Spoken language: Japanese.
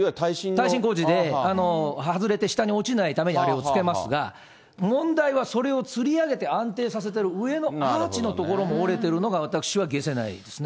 耐震工事で、外れて下に落ちないために、あれをつけますが、問題はそれをつり上げて安定させてる上の、アーチの所も折れてるのが、私は解せないですね。